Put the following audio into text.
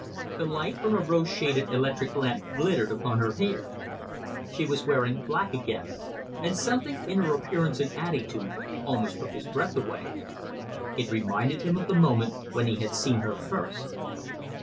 The light from a rose shaded electric lamp glittered upon her hair. She was wearing black again, and something in her appearance and attitude almost took his breath away. It reminded him of the moment when he had seen her first.